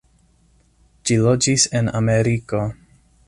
Ĝi loĝis en Ameriko.